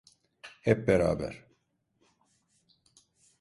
Hep beraber!